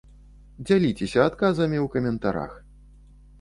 Дзяліцеся адказамі ў каментарах!